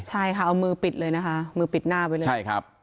ใช่ค่ะเอามือปิดเลยนะคะมือปิดหน้าไปเลยใช่ครับ